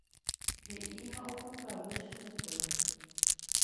he'i ha opukavy chupekuéra.